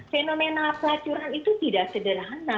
fenomena pelacuran itu tidak sederhana